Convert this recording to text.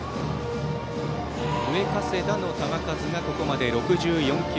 上加世田の球数がここまで６４球。